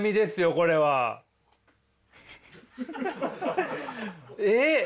これは。えっ？